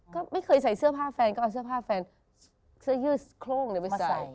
ก็ไม่เคยใส่เสื้อผ้าแฟนก็เอาเสื้อผ้าแฟนเสื้อยืดโครงไปใส่